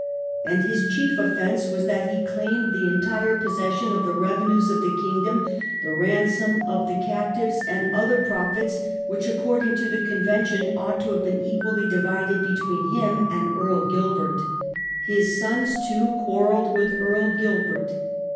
And his chief offence was that he claimed the entire possession of the revenues of the kingdom, the ransom of the captives, and other pro fits, which, according to the convention, ought to have been equally divided between him and Earl Gilbert." His sons, too, quarrelled with Earl Gilbert.